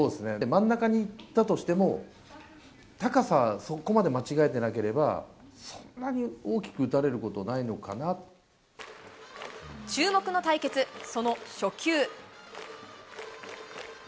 真ん中に行ったとしても、高さをそこまで間違えてなければ、そんなに大きく打た注目の対決、その初球。